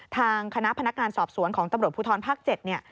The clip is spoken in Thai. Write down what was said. ทางคณะพนักงานสอบสวนของตำรวจภูทรภาค๗เนี่ย